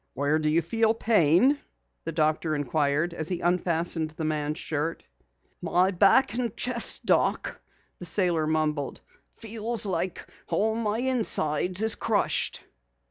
"Where do you feel pain?" the doctor inquired as he unfastened the man's shirt. "My back and chest, doc," the sailor mumbled. "Feels like all my insides is crushed."